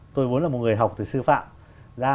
tôi vốn là một người học từ sư phạm